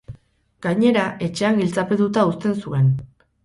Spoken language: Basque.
Gainera, etxean giltzapetuta uzten zuen.